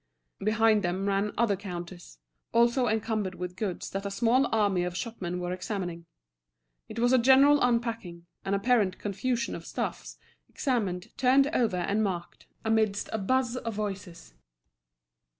Behind them ran other counters, also encumbered with goods that a small army of shopmen were examining. It was a general unpacking, an apparent confusion of stuffs, examined, turned over, and marked, amidst a buzz of voices.